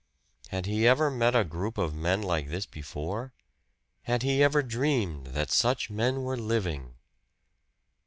Had he ever met a group of men like this before? Had he ever dreamed that such men were living?